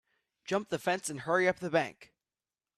Jump the fence and hurry up the bank.